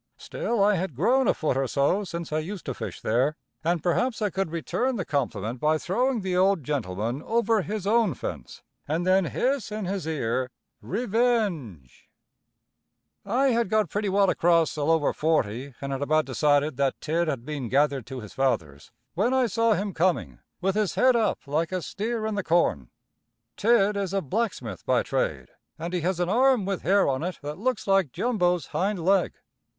Still, I had grown a foot or so since I used to fish there, and perhaps I could return the compliment by throwing the old gentleman over his own fence, and then hiss in his ear "R r r r e v e n g e!!!" [Illustration: I BECAME MORE FEARLESS.] I had got pretty well across the "lower forty" and had about decided that Tidd had been gathered to his fathers, when I saw him coming with his head up like a steer in the corn. Tidd is a blacksmith by trade, and he has an arm with hair on it that looks like Jumbo's hind leg.